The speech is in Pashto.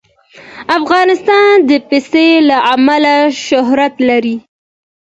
افغانستان د پسه له امله شهرت لري.